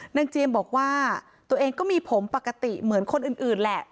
เจียมบอกว่าตัวเองก็มีผมปกติเหมือนคนอื่นแหละ